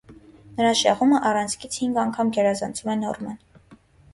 Նրա շեղումը առանցքից հինգ անգամ գերազանցում է նորման։